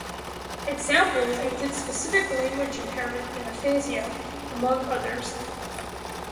Examples include specific language impairment and aphasia, among others.